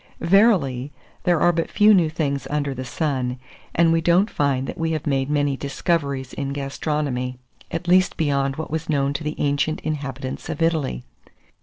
Verily, there are but few new things under the sun, and we don't find that we have made many discoveries in gastronomy, at least beyond what was known to the ancient inhabitants of Italy.